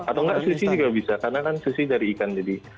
atau enggak sushi juga bisa karena kan sushi dari ikan jadi